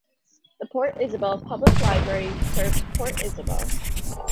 The Port Isabel Public Library serves Port Isabel.